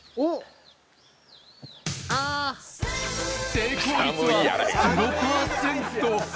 成功率は０％。